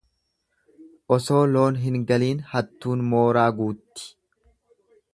Osoo loon hin galiin hattuun mooraa guutti.